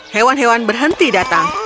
hewan hewan berhenti datang